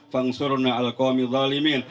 fangsurna al qawmi zalimin